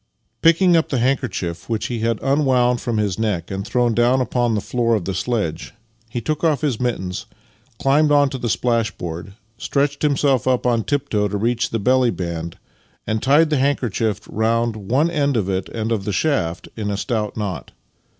40 Master and Man Picking up the handkerchief which he had un wound from his neck and thrown dov/n upon the floor of the sledge, he took off his mittens, cHmbed onto the splashboard, stretched himself on tiptoe to reach the belly band, and tied the handkerchief round one end of it and of the shaft in a stout knot.